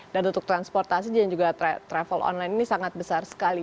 dan untuk transportasi dan juga travel online ini sangat besar sekali